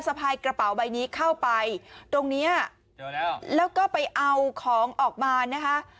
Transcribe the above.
พายกระเป๋าใบนี้เข้าไปตรงเนี้ยเจอแล้วแล้วก็ไปเอาของออกมานะคะ